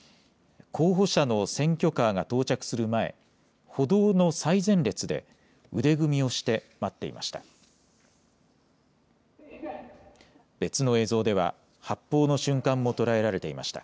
候補者の選挙カーが到着する前、歩道の最前列で腕組みをしていました。